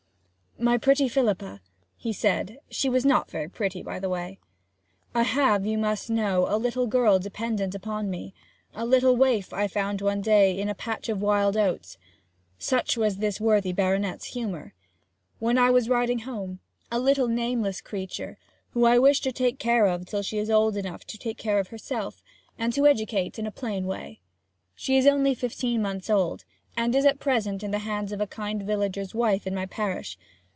'My pretty Philippa,' he said (she was not very pretty by the way), 'I have, you must know, a little girl dependent upon me: a little waif I found one day in a patch of wild oats [such was this worthy baronet's humour] when I was riding home: a little nameless creature, whom I wish to take care of till she is old enough to take care of herself; and to educate in a plain way. She is only fifteen months old, and is at present in the hands of a kind villager's wife in my parish.